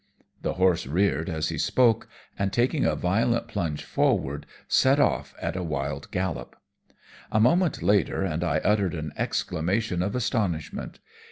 The horse reared as he spoke, and taking a violent plunge forward, set off at a wild gallop. A moment later, and I uttered an exclamation of astonishment.